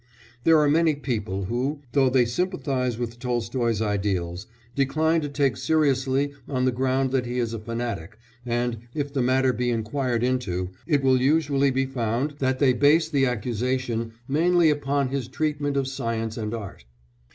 There are many people who, though they sympathise with Tolstoy's ideals, decline to take seriously on the ground that he is a fanatic, and, if the matter be inquired into, it will usually be found that they base the accusation mainly upon his treatment of science and art.